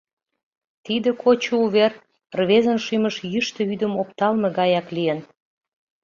Тиде кочо увер рвезын шӱмыш йӱштӧ вӱдым опталме гаяк лийын.